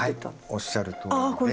おっしゃるとおりで。